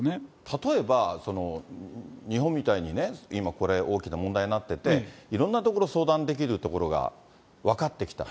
例えば、日本みたいにね、今これ、大きな問題になってて、いろんな所、相談できる所が分かってきた。